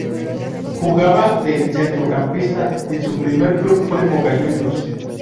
Jugaba de centrocampista y su primer club fue Boca Juniors.